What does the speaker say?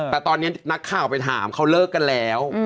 แต่ตอนนี้นักข่าวไปถามเขาเลิกกันแล้ว